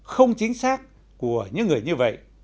không chính xác của những người như vậy